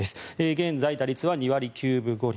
現在、打率は２割９分５厘。